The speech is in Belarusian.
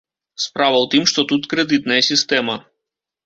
Справа ў тым, што тут крэдытная сістэма.